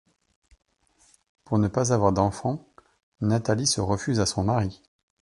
Pour ne pas avoir d'enfants, Natalie se refuse à son mari.